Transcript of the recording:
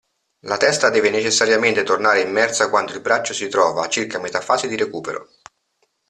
La testa deve necessariamente tornare immersa quando il braccio si trova a circa metà fase di recupero.